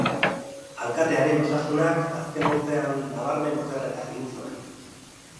Alkatearen osasunak azken urtean nabarmen okerrera egin zuen.